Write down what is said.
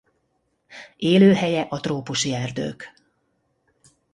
Élőhelye a trópusi erdők.